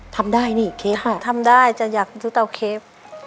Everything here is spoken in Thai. ทำได้นี่เค้ค่ะทำได้จะอยากดูเตาเคฟ